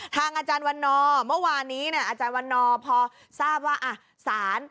ทางอาจารย์วันนอมเมื่อวานี้อาจารย์วันนอมพอทราบว่า